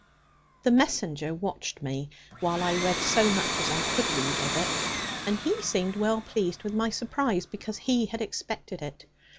The messenger watched me, while I read so much as I could read of it; and he seemed well pleased with my surprise, because he had expected it.